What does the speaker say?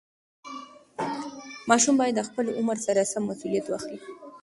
ماشوم باید د خپل عمر سره سم مسوولیت واخلي.